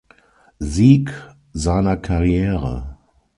Sieg seiner Karriere.